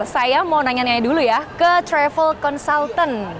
saya mau nanya nanya dulu ya ke travel consultant